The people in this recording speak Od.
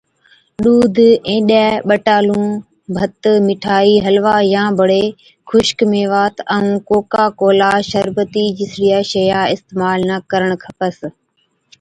ڏُوڌ، اِينڏَي، ٻٽالُو، ڀت، مٺائِي، حلوا يان بڙي خُشڪ ميوات ائُون ڪوڪا ڪولا شربتِي جِسڙِيا شئِيا اِستعمال نہ ڪرڻ کپس۔